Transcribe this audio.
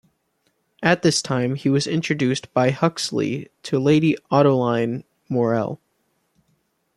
At this time he was introduced by Huxley to Lady Ottoline Morrell.